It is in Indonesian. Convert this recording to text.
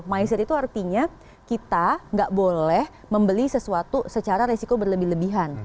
miser itu artinya kita nggak boleh membeli sesuatu secara resiko berlebih lebihan